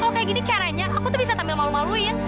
kalau kayak gini caranya aku tuh bisa sambil malu maluin